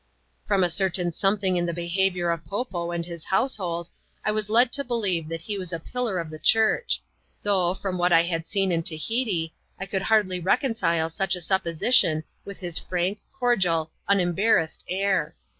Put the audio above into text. From a certain something in the behaviour of Po Po and his household, I was led to beHeve that he was a pillar of the church ; though, from what I had seen in Tahiti, I could hardly reconcile such a supposition with his frank, cordial, unembar rassed air.